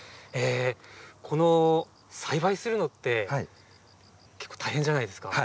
この、栽培するのって結構大変じゃないですか？